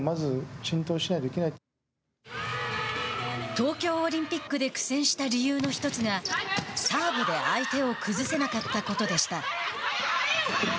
東京オリンピックで苦戦した理由の１つがサーブで相手を崩せなかったことでした。